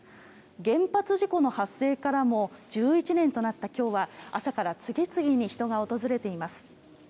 原発事故の発生からも１１年となった今日は朝から次々に人が訪れています。